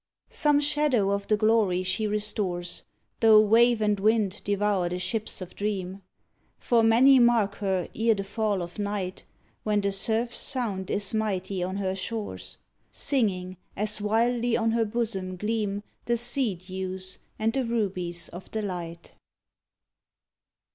Some shadow of the glory she restores, Tho' wave and wind devour the Ships of Dream; For many mark her ere the fall of night. When the surf's sound is mighty on her shores, Singing, as wildly on her bosom gleam The sea dews, and the rubies of the light.